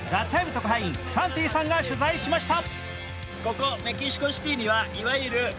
特派員サンティさんが取材しました。